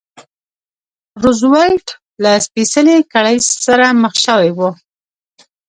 روزولټ له سپېڅلې کړۍ سره مخ شوی و.